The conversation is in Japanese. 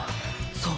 そう。